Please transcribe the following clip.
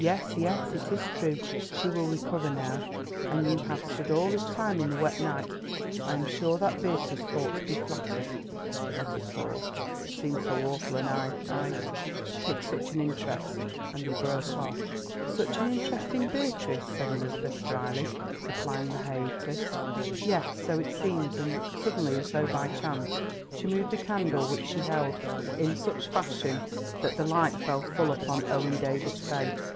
"Yes, yes, it is true. She will recover now. And you have stood all this time in the wet night. I am sure that Beatrice ought to be flattered." "Not at all. It seemed so awful, and—I—I take such an interest——" and he broke off. "Such an interest in Beatrice," said Elizabeth drily, supplying the hiatus. "Yes, so it seems," and suddenly, as though by chance, she moved the candle which she held, in such fashion that the light fell full upon Owen Davies' face.